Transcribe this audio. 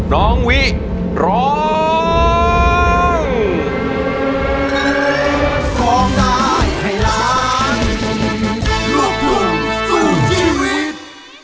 น้องวิร้อง